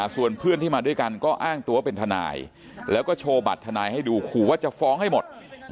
ส่วนเพื่อนที่มาด้วยกันก็อ้างตัวเป็นทนายแล้วก็โชว์บัตรทนายให้ดูขู่ว่าจะฟ้องให้หมด